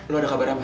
lu ada kabar apa